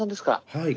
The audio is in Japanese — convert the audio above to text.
はい。